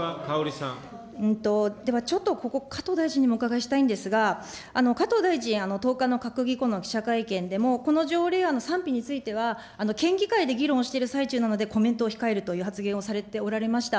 ではちょっとここ、加藤大臣にもお伺いしたいんですが、加藤大臣、１０日の閣議後の記者会見でも、この条例案の賛否については、県議会で議論している最中なので、コメントを控えるという発言をされておられました。